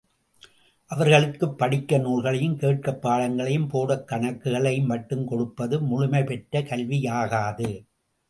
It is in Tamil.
அவர்களுக்குப் படிக்க நூல்களையும், கேட்கப் பாடங்களையும், போடக் கணக்குகளையும் மட்டும் கொடுப்பது முழுமை பெற்ற கல்வியாகாது.